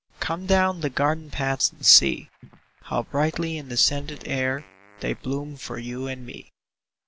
" Come down the garden paths and see How brightly in the scented air They bloom for you and me